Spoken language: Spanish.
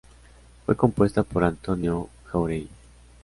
Fue compuesta por Antonio Jáuregui.